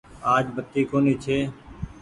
آج بتي ڪونيٚ ڇي۔